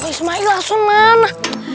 wah ismail asun mana